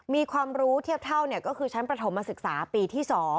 มีความรู้เทียบเท่าก็คือชั้นประถมศึกษาปีที่๒